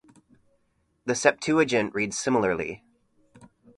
The Septuagint reads similarly.